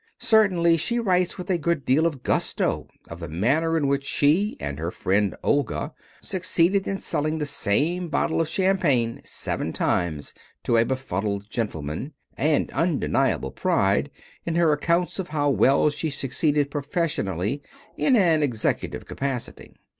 Certainly, she writes with a good deal of gusto of the manner in which she and her friend Olga succeeded in selling the same bottle of champagne seven times to a befuddled gentleman, and undeniable pride in her accounts of how well she succeeded professionally in an executive capacity.